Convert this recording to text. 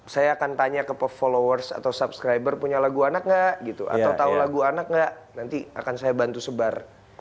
saya akan tanya ke followers atau subscriber punya lagu anak nggak gitu atau tahu lagu anak nggak nanti akan saya bantu sebar